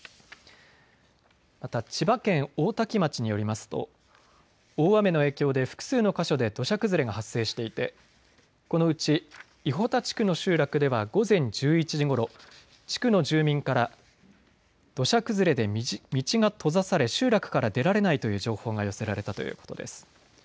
また千葉県大多喜町によりますと大雨の影響で複数の箇所で土砂崩れが発生していてこのうち伊保田地区の集落では午前１１時ごろ、地区の住民から土砂崩れで道が閉ざされ集落から出られないという情報が寄せられたということです。